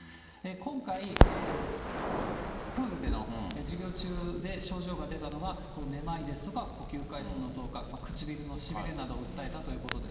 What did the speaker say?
今回、プールでの授業中で症状が出たのが、めまいですとか呼吸回数の増加、唇のしびれなどを訴えたということです。